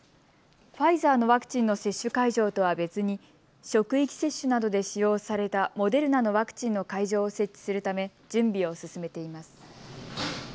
ファイザーのワクチンの接種会場とは別に職域接種などで使用されたモデルナのワクチンの会場を設置するため準備を進めています。